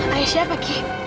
ayah siapa ki